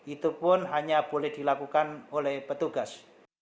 itu pun hanya boleh dilakukan oleh petugas